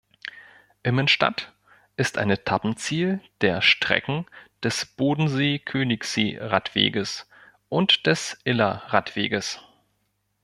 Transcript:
Immenstadt ist ein Etappenziel der Strecken des Bodensee-Königssee-Radweges und des Iller-Radweges.